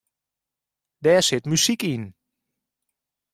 Dêr sit muzyk yn.